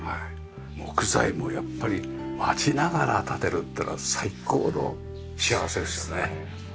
木材もやっぱり待ちながら建てるっていうのは最高の幸せですよね。